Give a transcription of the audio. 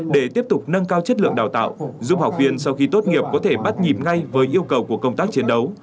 để tiếp tục nâng cao chất lượng đào tạo giúp học viên sau khi tốt nghiệp có thể bắt nhịp ngay với yêu cầu của công tác chiến đấu